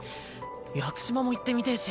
屋久島も行ってみてぇし。